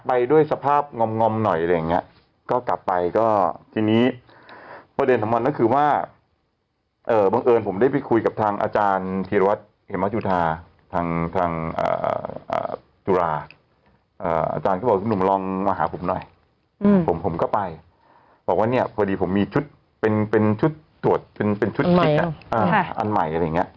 บอกว่าเนี่ยพอดีผมมีชุดเป็นชุดตรวจอันใหม่อะไรอย่างเงี้ย